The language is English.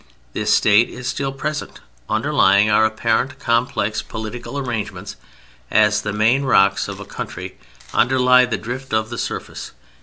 This State is still present, underlying our apparently complex political arrangements, as the main rocks of a country underlie the drift of the surface.